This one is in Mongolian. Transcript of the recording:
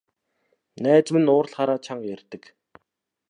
Найз маань уурлахаараа чанга ярьдаг.